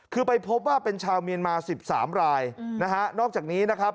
คือไปพบว่าเป็นชาวเมียนมา๑๓รายนะฮะนอกจากนี้นะครับ